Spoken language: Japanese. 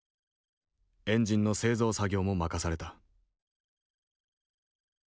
エンジンの製造作業も任された。